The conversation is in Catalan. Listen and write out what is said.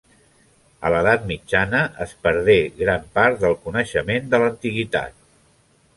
A l'edat mitjana es perdé gran part del coneixement de l'antiguitat.